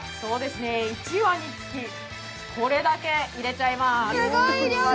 １羽につき、これだけ入れちゃいます。